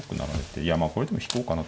いやこれでも引こうかなと。